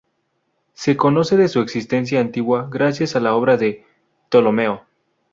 Se conoce de su existencia antigua gracias a la obra de Ptolomeo.